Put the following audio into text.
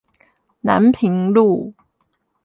南平路